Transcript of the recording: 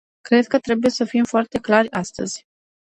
Cred că trebuie să fim foarte clari astăzi.